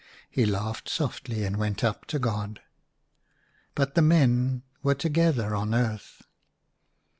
He laughed softly and went up to God. But the men were together on earth.